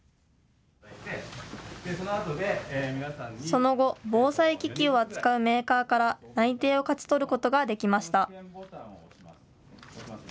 その後、防災機器を扱うメーカーから内定を勝ち取ることができました。